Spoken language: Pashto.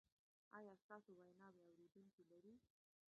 ایا ستاسو ویناوې اوریدونکي لري؟